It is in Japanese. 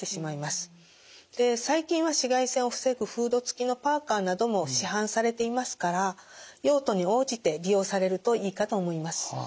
で最近は紫外線を防ぐフード付きのパーカーなども市販されていますから用途に応じて利用されるといいかと思います。